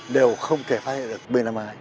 đều không thể phát hiện được b năm mươi hai